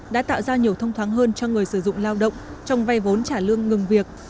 đã tạo ra nhiều thông thoáng hơn cho người sử dụng lao động trong vay vốn trả lương ngừng việc